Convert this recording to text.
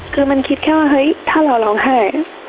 คือมันคิดแค่ว่าเฮ้ยถ้าเราร้องไห้